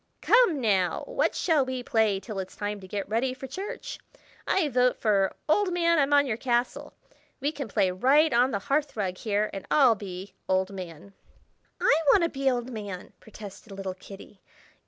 "Come, now! what shall we play till it's time to get ready for church? I vote for 'Old Man I'm on your Castle!' We can play right on the hearth rug here, and I'll be 'Old Man.'" "I want to be 'Old Man!'" protested little Kitty.